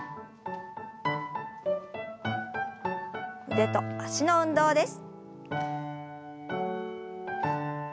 腕と脚の運動です。